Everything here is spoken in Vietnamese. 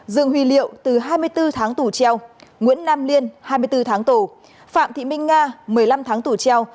dương huy liệu từ hai mươi bốn tháng tủ treo nguyễn nam liên hai mươi bốn tháng tủ phạm thị minh nga một mươi năm tháng tủ treo